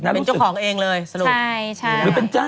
ก็ไม่เจออะไรเรียกเถอะ